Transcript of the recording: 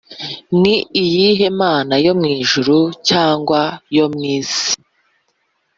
Ni iyihe mana yo mu ijuru cyangwa yo mu isi